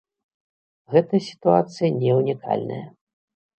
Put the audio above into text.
Гэтая сітуацыя не ўнікальная.